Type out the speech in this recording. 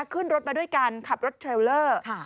ขึ้นรถมาด้วยกันขับรถเทรลเลอร์